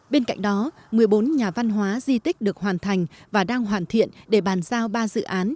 bên cạnh đó một mươi bốn nhà văn hóa di tích được hoàn thành và đang hoàn thiện để bàn giao ba dự án